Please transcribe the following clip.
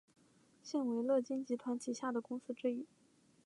现为乐金集团旗下的公司之一。